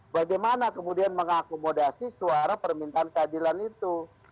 bagaimana kemudian mengakomodasi suara permintaan keadilan itu